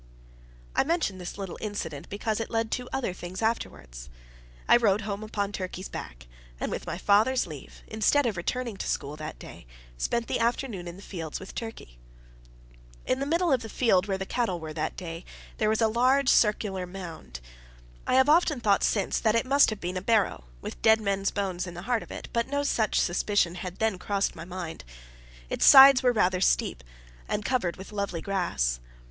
I mention this little incident because it led to other things afterwards. I rode home upon Turkey's back; and with my father's leave, instead of returning to school that day, spent the afternoon in the fields with Turkey. In the middle of the field where the cattle were that day, there was a large circular mound. I have often thought since that it must have been a barrow, with dead men's bones in the heart of it, but no such suspicion had then crossed my mind. Its sides were rather steep, and covered with lovely grass.